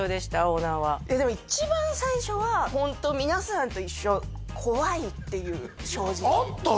オーナーはでも一番最初はホント皆さんと一緒怖いっていう正直あった？